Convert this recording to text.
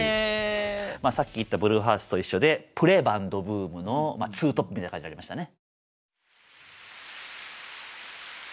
さっき言ったブルーハーツと一緒でプレバンドブームのツートップみたいな感じになりましたね。